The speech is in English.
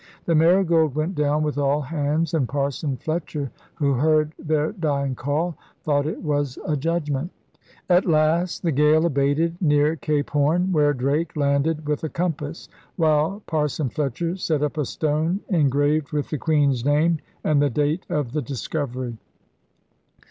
The Marigold went down with all hands, and Parson Fletcher, who heard their dying call, thought it was a judg ment. At last the gale abated near Cape Horn, where Drake landed with a compass, while Par son Fletcher set up a stone engraved with the Queen's name and the date of the discovery.